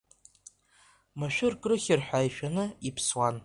Машәырк рыхьыр ҳәа ишәаны иԥсуан.